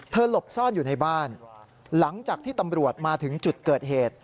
หลบซ่อนอยู่ในบ้านหลังจากที่ตำรวจมาถึงจุดเกิดเหตุ